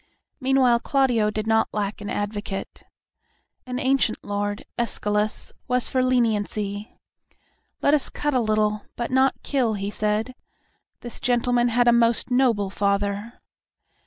Meanwhile Claudio did not lack an advocate. An ancient lord, Escalus, was for leniency. "Let us cut a little, but not kill," he said. "This gentleman had a most noble father."